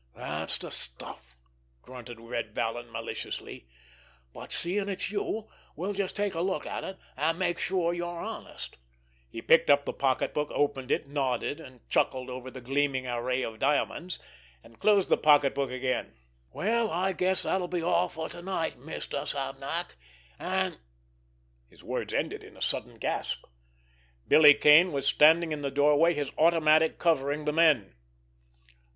"That's the stuff!" grunted Red Vallon maliciously. "But seeing it's you, we'll just take a look at it to make sure you're honest!" He picked up the pocketbook, opened it, nodded and chuckled over the gleaming array of diamonds, and closed the pocketbook again. "Well, I guess that'll be all for to night, Mister Savnak, and——" His words ended in a sudden gasp. Billy Kane was standing in the doorway, his automatic covering the men.